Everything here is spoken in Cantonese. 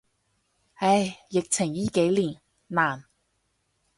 唉，疫情依幾年，難。